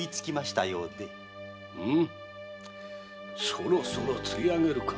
そろそろ釣り上げるか。